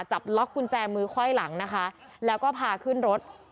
จับล็อกกุญแจมือไขว้หลังนะคะแล้วก็พาขึ้นรถ